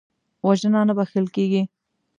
وژنه نه بخښل کېږي